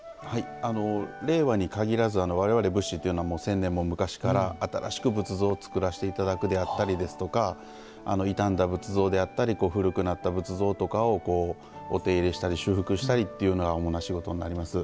令和に限らず我々仏師というのは千年も昔から新しく仏像を造らせていただくであったりですとか傷んだ仏像であったり古くなった仏像とかをお手入れしたり修復したりというのが主な仕事になります。